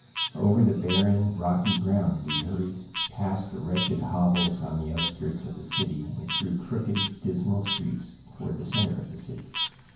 Over the barren, rocky ground we hurried; past the wretched hovels on the outskirts of the city, and through crooked, dismal streets, toward the center of the city.